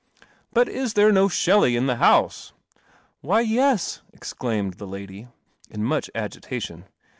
But i there no Shelley in the hou • Why, y< I exclaimed the lady, in much ration.